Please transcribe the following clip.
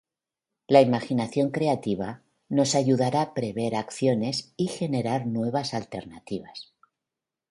La imaginación creativa nos ayudará a prever acciones y generar nuevas alternativas.